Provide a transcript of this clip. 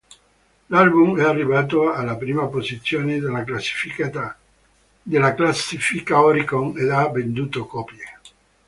L'album è arrivato alla prima posizione della classifica Oricon ed ha venduto copie.